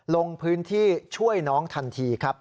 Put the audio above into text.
ลงพื้นที่ช่วยน้องทันทีครับ